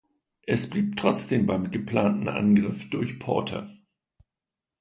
Es blieb trotzdem beim geplanten Angriff durch Porter.